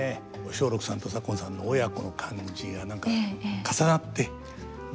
松緑さんと左近さんの親子の感じが何か重なって胸が熱くなりました。